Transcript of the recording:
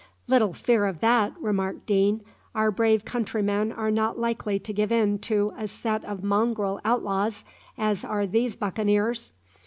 "Little fear of that," remarked Deane. "Our brave countrymen are not likely to give in to a set of mongrel outlaws as are these buccaneers.